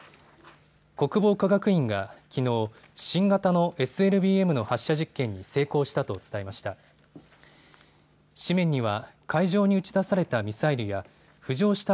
国防科学院がきのう新型のＳＬＢＭの発射実験に成功したと伝えました。